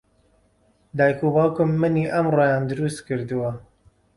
دایک و باوکم منی ئەمڕۆیان دروست کردووە.